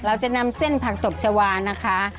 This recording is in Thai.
เราจะนำเส้นผักตบชาวานะคะ